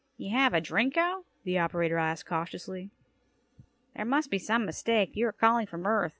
"You have a Drinko?" the operator asked cautiously. "There must be some mistake. You are calling from Earth?